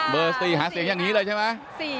เบอร์๔หาเสียงแบบนี้เลยใช่ไหม